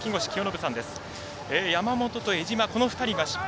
山本と江島、この２人が失敗。